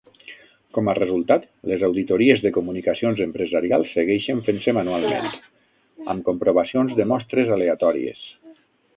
Com a resultat, les auditories de comunicacions empresarials segueixen fent-se manualment, amb comprovacions de mostres aleatòries.